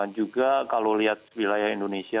juga kalau lihat wilayah indonesia